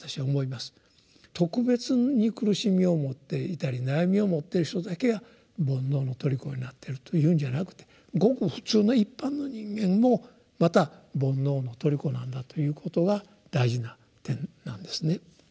特別に苦しみを持っていたり悩みを持ってる人だけが「煩悩」の虜になってるというんじゃなくてごく普通の一般の人間もまた「煩悩」の虜なんだということが大事な点なんですね。